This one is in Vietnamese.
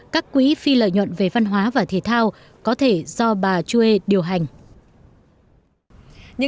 các quỹ phi lợi nhuận về văn hóa và thể thao có thể do bà chuê điều hành